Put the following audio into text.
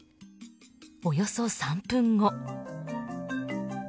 およそ３分後。